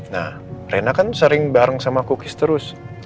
nah rina kan sering bareng sama kukis terus